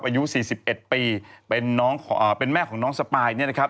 อายุ๔๑ปีเป็นแม่ของน้องสปายอย่างนี้นะครับ